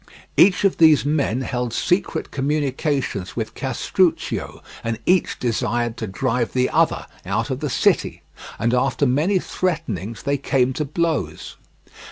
Each of these men held secret communications with Castruccio, and each desired to drive the other out of the city; and, after many threatenings, they came to blows.